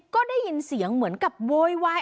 ก็ได้ยินเสียงเหมือนกับโวยวาย